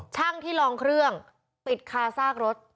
ช่างที่ลองเครื่องปิดคาซากรถ